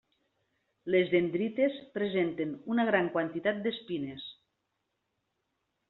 Les dendrites presenten una gran quantitat d'espines.